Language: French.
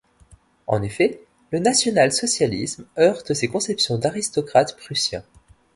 En effet, le national-socialisme heurte ses conceptions d'aristocrate prussien.